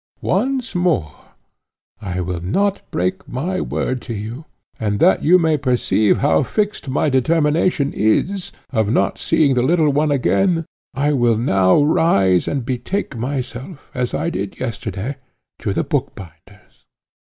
Once more I will not break my word to you, and that you may perceive how fixed my determination is, of not seeing the little one again, I will now rise and betake myself, as I did yesterday, to the bookbinder's."